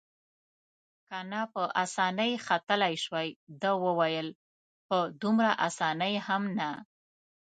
که نه په اسانۍ ختلای شوای، ده وویل: په دومره اسانۍ هم نه.